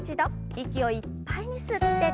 息をいっぱいに吸って。